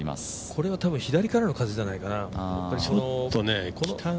これは多分左からの風じゃないかな。